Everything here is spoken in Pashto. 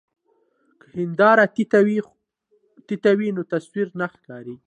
که هنداره تت وي نو تصویر نه ښکاري.